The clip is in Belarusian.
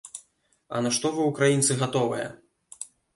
А на што вы, украінцы, гатовыя?